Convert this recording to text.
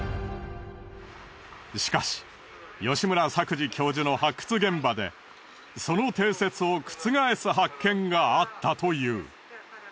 しかし吉村作治教授の発掘現場でその定説を覆す発見があったという。